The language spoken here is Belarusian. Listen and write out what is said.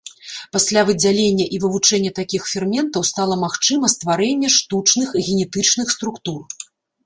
Пасля выдзялення і вывучэння такіх ферментаў стала магчыма стварэнне штучных генетычных структур.